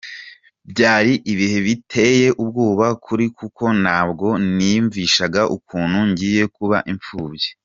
Byari ibihe biteye ubwoba kuri kuko ntabwo niyumvishaga ukuntu ngiye kuba imfubyi.